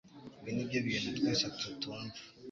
ibi nibyo bintu twese tu tumva